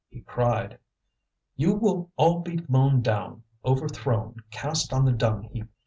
He cried: "You will all be mown down, overthrown, cast on the dung heap.